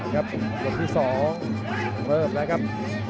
ครับยกที่๒ละครับ